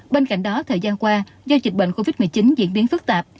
bên cạnh đó thời gian qua do dịch bệnh covid một mươi chín diễn biến phức tạp